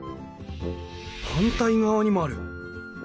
反対側にもある。